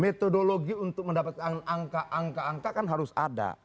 metodologi untuk mendapatkan angka angka kan harus ada